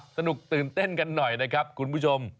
ตื่นเต้นกันหน่อยนะครับคุณผู้ชม